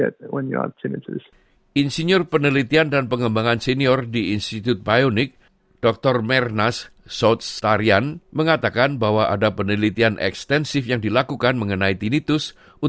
tinnitus menyebabkan kesusahan dan berdampak signifikan terhadap kehidupan